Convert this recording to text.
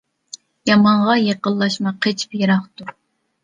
يامانغا يېقىنلاشما قېچىپ يىراق تۇر.